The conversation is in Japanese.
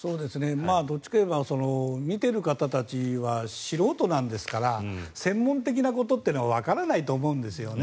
どっちかというと見ている方は素人なんですから専門的なことというのはわからないと思うんですよね。